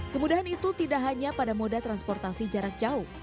kemudahan itu tidak hanya pada moda transportasi jarak jauh